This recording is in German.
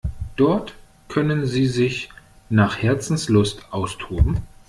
Dort können sie sich nach Herzenslust austoben.